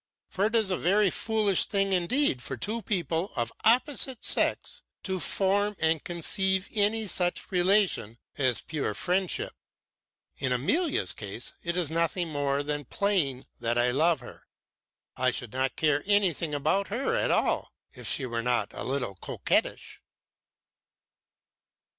For it is a very foolish thing indeed for two people of opposite sex to form and conceive any such relation as pure friendship. In Amalia's case it is nothing more than playing that I love her. I should not care anything about her at all, if she were not a little coquettish.